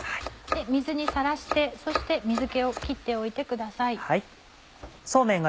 水にさらしてそして水気を切っておいてください。